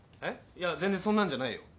いや全然そんなんじゃないよ。